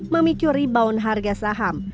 memicu rebound harga saham